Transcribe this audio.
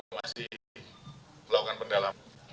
kami juga masih melakukan pendalam